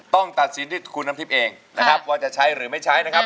ต้องตัดสินที่คุณน้ำทิพย์เองนะครับว่าจะใช้หรือไม่ใช้นะครับ